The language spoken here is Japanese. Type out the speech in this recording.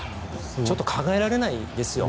ちょっと考えられないですよ。